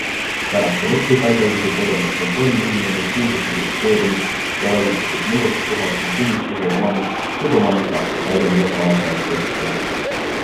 Pärast elektripaigaldise korralist kontrolli ilmnenud puuduste likvideerimist ja väljastatud nõuetekohasuse tunnistuse omamist võib omanik lasta paigaldada kaasaegsed seadmed.